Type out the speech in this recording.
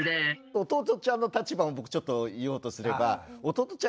弟ちゃんの立場も僕ちょっと言おうとすれば弟ちゃん